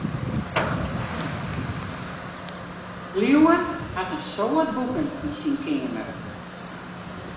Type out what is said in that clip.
Liuwe hat in soad boeken yn syn keamer.